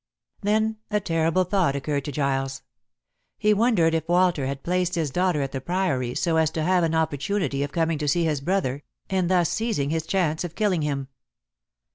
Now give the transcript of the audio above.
Then a terrible thought occurred to Giles. He wondered if Walter had placed his daughter at the Priory so as to have an opportunity of coming to see his brother, and thus seizing his chance of killing him.